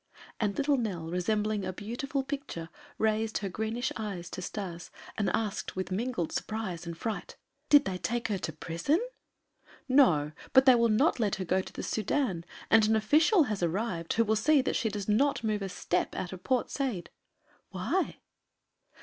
And little Nell, resembling a beautiful picture, raised her greenish eyes to Stas and asked with mingled surprise and fright: "Did they take her to prison?" "No, but they will not let her go to the Sudân and an official has arrived who will see that she does not move a step out of Port Said." "Why?"